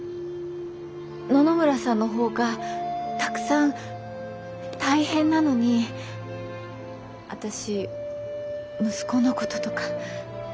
野々村さんの方がたくさん大変なのに私息子のこととか愚痴ったりして。